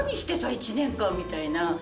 １年間みたいな。